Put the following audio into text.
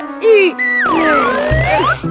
eh ini pak